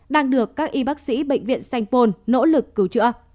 đang được các y bác sĩ bệnh viện sanh pôn nỗ lực cứu chữa